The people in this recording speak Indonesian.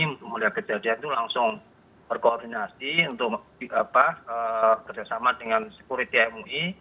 untuk melihat kejadian itu langsung berkoordinasi untuk kerjasama dengan sekuriti mui